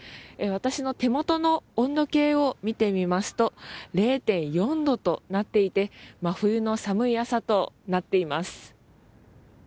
私の手元の温度計を見てみますと０．４度となっていて真冬の寒い朝となっています。